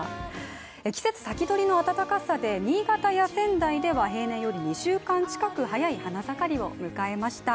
季節先取りの暖かさで新潟や仙台では平年より２週間近く早い花盛りを迎えました。